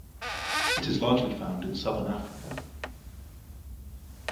It is largely found in southern Africa.